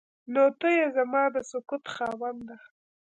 نو ته ای زما د سکوت خاونده.